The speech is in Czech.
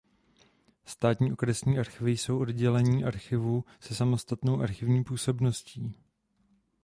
Státní okresní archivy jsou oddělení archivu se samostatnou archivní působností.